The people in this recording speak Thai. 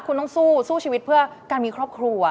คุณต้องสู้สู้ชีวิตเพื่อการมีครอบครัว